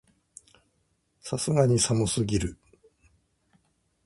さすがに寒すぎる